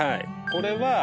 これは。